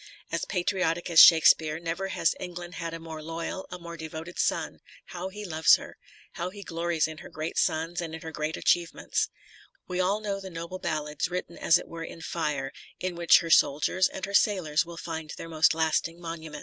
As patriotic as Shake speare, never has England had a more loyal, a more devoted son — ^how he loves her ! how he glories in her great sons and in her great achieve ments. We all know the noble ballads written as it were in fire, in which her soldiers and her sailors will find their most lasting monument. •" Locksley HaU Sixty Years After."